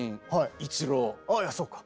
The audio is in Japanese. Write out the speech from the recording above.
あっそうか。